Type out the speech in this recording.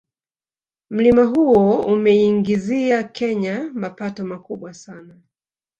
Mlima huo umeiingizia kenya mapato makubwa sana